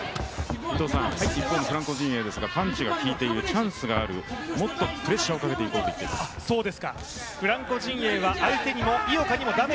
一方、フランコ陣営ですが、パンチがきいている、チャンスがある、もっとプレッシャーをかけていこうと言っています。